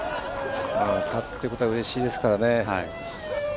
勝つということはうれしいですからね。